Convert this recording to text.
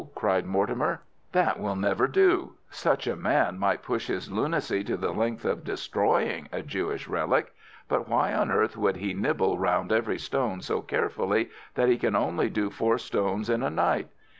cried Mortimer. "That will never do! Such a man might push his lunacy to the length of destroying a Jewish relic, but why on earth should he nibble round every stone so carefully that he can only do four stones in a night?